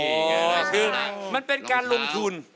คือมันเป็นการลงทุน